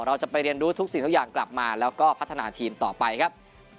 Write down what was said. เราจะไปเรียนรู้ทุกสิ่งทุกอย่างกลับมาแล้วก็พัฒนาทีมต่อไปครับ